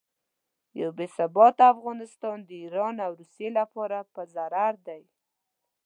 یو بې ثباته افغانستان د ایران او روسیې لپاره په ضرر دی.